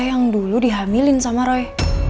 yang dulu dihamilin sama roy